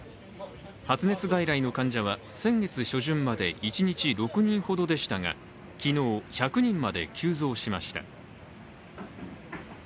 発熱外来の患者は先月初旬まで一日６人ほどでしたが昨日、１００人まで急増しました。